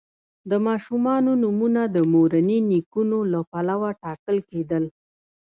د ماشومانو نومونه د مورني نیکونو له پلوه ټاکل کیدل.